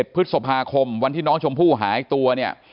พฤษภาคมวันที่น้องชมพู่หายตัวเนี่ย